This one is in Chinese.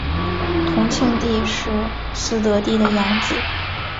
同庆帝是嗣德帝的养子。